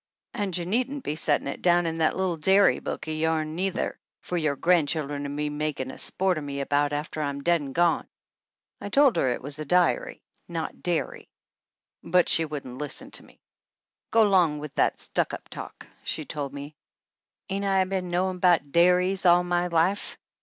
"And you needn't be settin' it down in that little dairy book o' yourn, neither, for your gran'chfllen to be makin' spo't o* me about after I'm done dead an' gone." I told her it was diary, not dairy, but she wouldn't listen to me. "Go 'long with that stuck up talk," she told me, "ain't I been knowin' about dairies all my life?